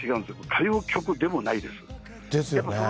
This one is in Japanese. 歌謡曲でもないです。ですよね。